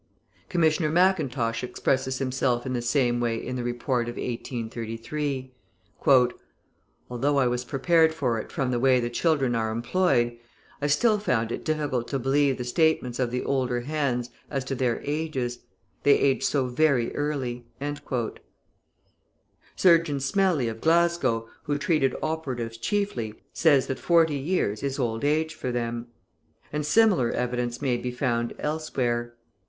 Commissioner Mackintosh expresses himself in the same way in the report of 1833: "Although I was prepared for it from the way the children are employed, I still found it difficult to believe the statements of the older hands as to their ages; they age so very early." Surgeon Smellie, of Glasgow, who treated operatives chiefly, says that forty years is old age for them. {160a} And similar evidence may be found elsewhere.